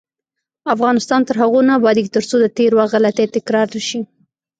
افغانستان تر هغو نه ابادیږي، ترڅو د تیر وخت غلطۍ تکرار نشي.